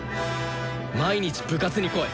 毎日部活に来い。